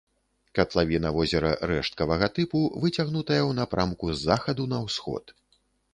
Катлавіна возера рэшткавага тыпу, выцягнутая ў напрамку з захаду на ўсход.